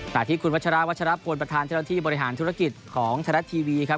ต่อที่คุณวัชราวัชราพรประธานเทลาที่บริหารธุรกิจของทะลัดทีวีครับ